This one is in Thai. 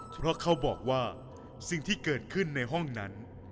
เพราะเขาบอกว่าสิ่งที่เกิดขึ้นในห้องนั้น